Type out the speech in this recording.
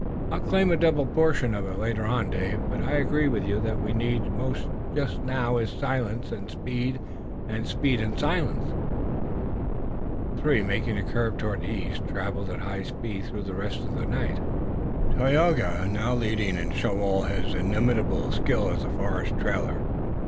"I'll claim a double portion of it later on, Dave, but I agree with you that what we need most just now is silence and speed, and speed and silence." The three, making a curve toward the east, traveled at high speed through the rest of the night, Tayoga now leading and showing all his inimitable skill as a forest trailer.